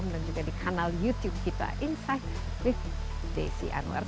dan juga di kanal youtube kita insight with desi anwar